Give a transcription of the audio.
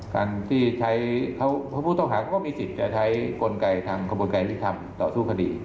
ท่านที่ใช้เพราะผู้ต้องหาเขาก็มีสิทธิ์จะใช้กลไกทางกลไกที่ทำต่อสู้คดี